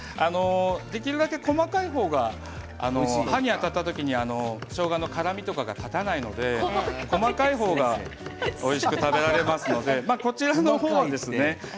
できるだけ細かい方が歯に当たった時にしょうがの辛みとかが立たないので細かい方がおいしく食べられますのでこちらの方が。